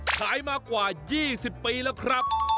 ขายมากว่า๒๐ปีแล้วครับ